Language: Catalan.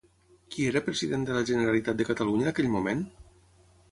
Qui era president de la Generalitat de Catalunya en aquell moment?